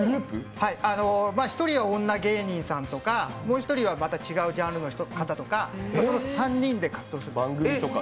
１人は女芸人さんとか、もう一人はまた違うジャンルの方とか３人で活動する。